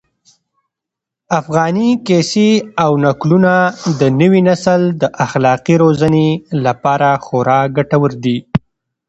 افغاني کيسې او نکلونه د نوي نسل د اخلاقي روزنې لپاره خورا ګټور دي.